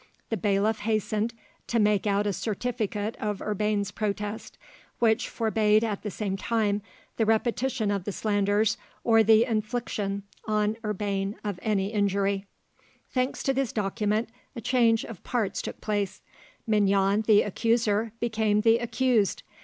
The bailiff hastened to make out a certificate of Urbain's protest, which forbade at the same time the repetition of the slanders or the infliction on Urbain of any injury. Thanks to this document, a change of parts took place: Mignon, the accuser, became the accused.